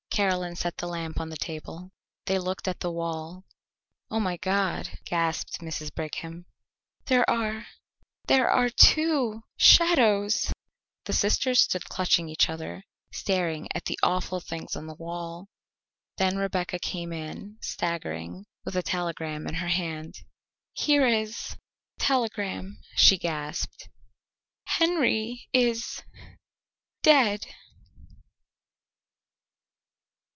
Caroline set the lamp on the table. They looked at the wall. "Oh, my God," gasped Mrs. Brigham, "there are there are two shadows." The sisters stood clutching each other, staring at the awful things on the wall. Then Rebecca came in, staggering, with a telegram in her hand. "Here is a telegram," she gasped. "Henry is dead."